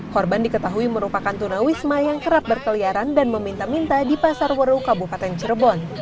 korban diketahui merupakan tunawisma yang kerap berkeliaran dan meminta minta di pasar waru kabupaten cirebon